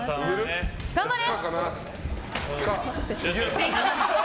頑張れ！